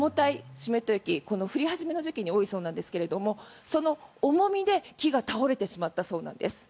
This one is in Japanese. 湿った雪降り始めの時期に多いそうなんですがその重みで、木が倒れてしまったそうなんです。